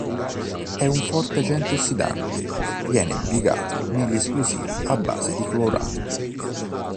È un forte agente ossidante, viene impiegato negli esplosivi a base di clorato.